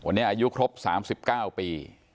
วันนี้อายุครบ๓๙ปี